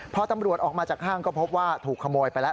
พอตำรวจออกมาจากห้างก็พบว่าถูกขโมยไปแล้ว